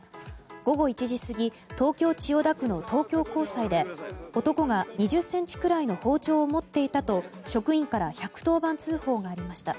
午後１時過ぎ東京・千代田区の東京高裁で男が２０ｃｍくらいの包丁を持っていたと職員から１１０番通報がありました。